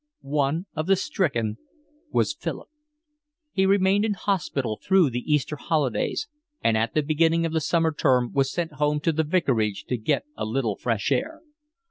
One of the stricken was Philip. He remained in hospital through the Easter holidays, and at the beginning of the summer term was sent home to the vicarage to get a little fresh air.